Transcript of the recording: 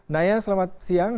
naya selamat siang